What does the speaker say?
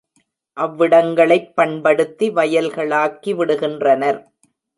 அவ்விடங்களைப் பண்படுத்தி, வயல்களாக்கி விடுகின்றனர்.